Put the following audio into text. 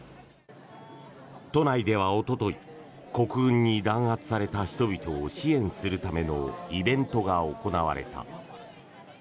都内ではおととい国軍に弾圧された人々を支援するためのイベントが行われた。